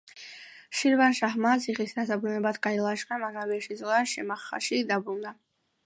შირვანშაჰმა ციხის დასაბრუნებლად გაილაშქრა, მაგრამ ვერ შეძლო და შემახაში დაბრუნდა.